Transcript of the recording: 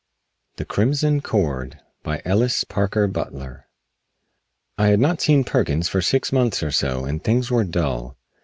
THE CRIMSON CORD BY ELLIS PARKER BUTLER I had not seen Perkins for six months or so and things were dull.